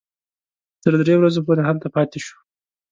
تر درې ورځو پورې هلته پاتې شوو.